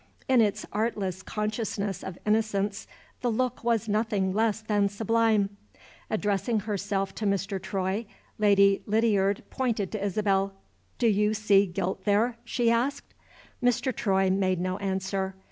In its artless consciousness of innocence the look was nothing less than sublime. Addressing herself to Mr. Troy, Lady Lydiard pointed to Isabel. "Do you see guilt there?" she asked. Mr. Troy made no answer.